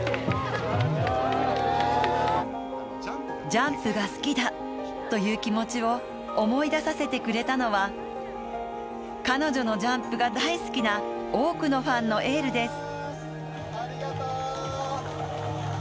ジャンプが好きだという気持ちを思い出させてくれたのは彼女のジャンプが大好きな多くのファンのエールです。